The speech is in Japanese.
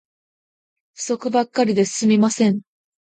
不足ばっかりで進みません